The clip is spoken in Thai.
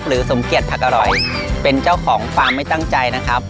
สมเกียจผักอร่อยเป็นเจ้าของฟาร์มไม่ตั้งใจนะครับ